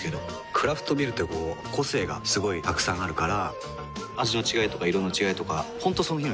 クラフトビールってこう個性がすごいたくさんあるから味の違いとか色の違いとか本当その日の気分。